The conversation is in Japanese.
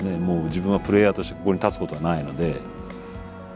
もう自分はプレーヤーとしてここに立つことはないので。